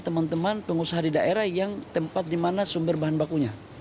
teman teman pengusaha di daerah yang tempat di mana sumber bahan bakunya